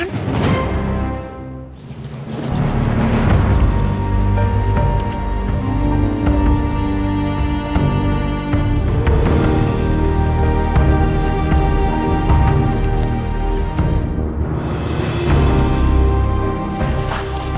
nanti aku akan ke rumah